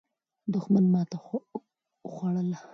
دښمن ماته خوړله.